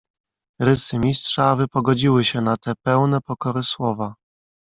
"Rysy mistrza wypogodziły się na te pełne pokory słowa."